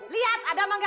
lihat ada apa nggak